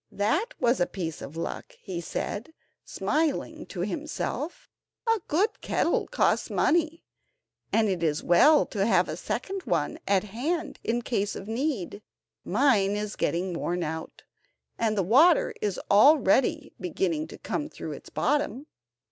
"That was a piece of luck," he said, smiling to himself; "a good kettle costs money, and it is as well to have a second one at hand in case of need; mine is getting worn out, and the water is already beginning to come through its bottom."